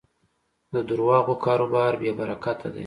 د دروغو کاروبار بېبرکته دی.